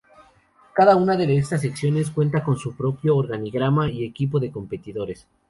Cada una de estas Secciones cuenta con su propio organigrama y equipo de competidores.